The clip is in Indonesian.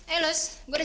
itu siapa itu